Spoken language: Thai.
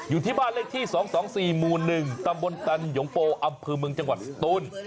อยู่ที่บ้านเลขที่๒๒๔มูลหนึ่งตำบลตำหย่มโปอับพืมเมืองจังหวัดตน